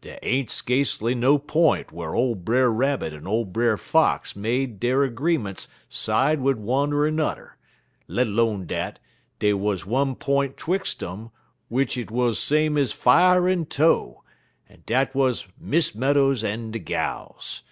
"Dey ain't skacely no p'int whar ole Brer Rabbit en ole Brer Fox made der 'greements side wid one er 'n'er; let 'lone dat, dey wuz one p'int 'twix' 'um w'ich it wuz same ez fier en tow, en dat wuz Miss Meadows en de gals.